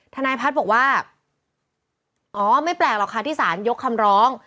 ทนายพัฒน์บอกว่าอ๋อไม่แปลกหรอกค่ะที่สารยกคำร้อง